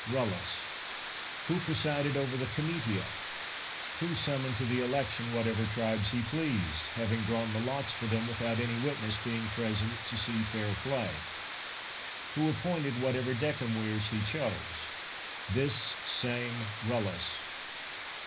Rullus. Who presided over the comitia? Who summoned to the election whatever tribes he pleased, having drawn the lots for them with out any witness being present to see fair play? Who appointed whatever decemvirs he chose? This same Rullus.